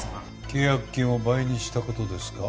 契約金を倍にした事ですか？